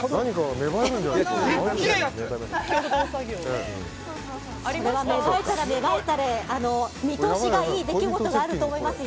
芽生えたら芽生えたらで見通しのいい出来事があると思いますよ。